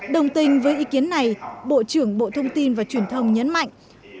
đồng tình với ý kiến này bộ trưởng bộ thông tin và truyền thông nhấn mạnh